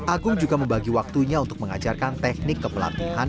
agung juga membagi waktunya untuk mengajarkan teknik kepelatihan